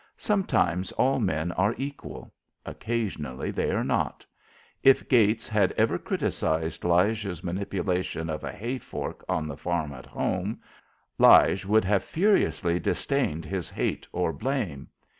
Sometimes all men are equal; occasionally they are not. If Gates had ever criticised Lige's manipulation of a hay fork on the farm at home, Lige would have furiously disdained his hate or blame.